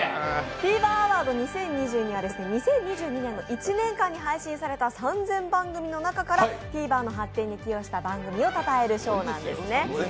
Ｔｖｅｒアワード２０２２は２０２０年の１年間に放送された３０００番組からＴＶｅｒの発展に寄与した番組をたたえる賞なんですね。